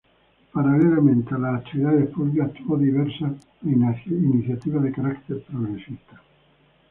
Paralelamente a las actividades públicas tuvo diversas iniciativas de carácter progresista.